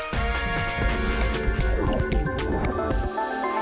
สวัสดีครับ